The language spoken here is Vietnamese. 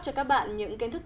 cho các bạn những kỹ thuật